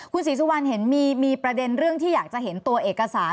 คุณศรีสุวรรณเห็นมีประเด็นเรื่องที่อยากจะเห็นตัวเอกสาร